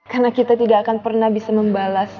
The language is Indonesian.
karena kita tidak akan pernah bisa membalas